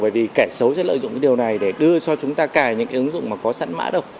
bởi vì kẻ xấu sẽ lợi dụng cái điều này để đưa cho chúng ta cài những cái ứng dụng mà có sẵn mã độc